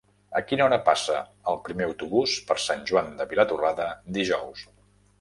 A quina hora passa el primer autobús per Sant Joan de Vilatorrada dijous?